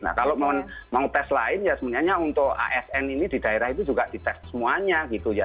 nah kalau mau tes lain ya sebenarnya untuk asn ini di daerah itu juga dites semuanya gitu ya